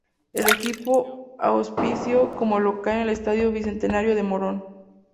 El equipo auspició como local en el Estadio Bicentenario de Morón.